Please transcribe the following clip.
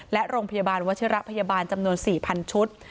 และโรงพยาบาลวัชิระพยาบาลจำนวน๔๐๐ชุด